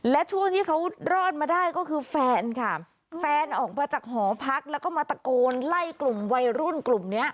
และช่วงที่เขารอดมาได้ก็คือแฟนค่ะแฟนออกมาจากหอพักแล้วก็มาตะโกนไล่กลุ่มวัยรุ่นกลุ่มเนี้ย